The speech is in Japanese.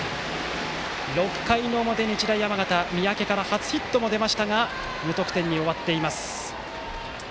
６回の表、日大山形三宅から初ヒットも出ましたが無得点に終わっています。